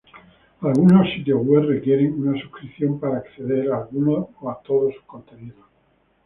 Algunos sitios web requieren una subscripción para acceder a algunos o todos sus contenidos.